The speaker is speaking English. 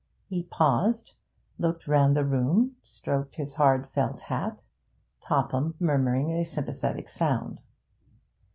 He paused, looked round the room, stroked his hard felt hat, Topham murmuring a sympathetic sound.